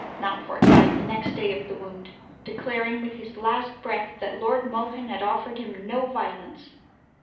Mountfort died the next day of the wound, declaring with his last breath that Lord Mohun had offered him no violence.